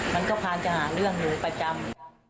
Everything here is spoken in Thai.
มันก็พาจะห่างเรื่องหรือประจำ